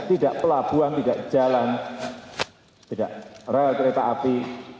tidak pelabuhan tidak jalan tidak rel kereta api